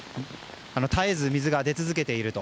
絶えず水が出続けていると。